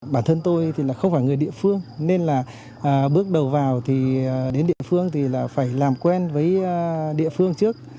bản thân tôi thì là không phải người địa phương nên là bước đầu vào thì đến địa phương thì là phải làm quen với địa phương trước